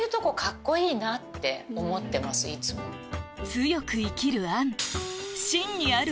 強く生きる杏